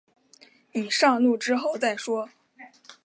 你上路之后再说